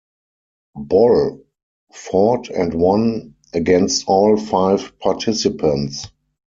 Boll fought and won against all five participants.